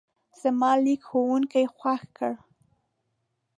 زما لیک ښوونکی خوښ کړ.